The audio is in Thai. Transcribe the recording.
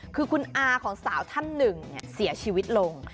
คือคุณอาของสาวท่านหนึ่งเสียชีวิตลง